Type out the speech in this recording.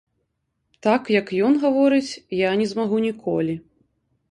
Так, як ён гаворыць, я не змагу ніколі.